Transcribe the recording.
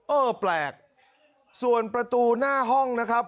เออแปลกส่วนประตูหน้าห้องนะครับ